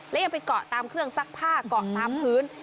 และยังไปเกาะตามเครื่องซักผ้าเกาะตามพื้น